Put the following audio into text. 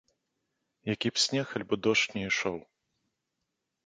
Які б снег альбо дождж ні ішоў.